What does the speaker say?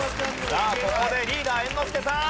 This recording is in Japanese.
さあここでリーダー猿之助さん。